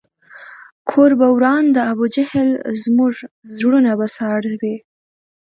کور به وران د ابوجهل زموږ زړونه په ساړه وي